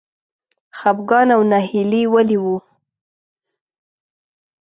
خپګان او ناهیلي ولې و؟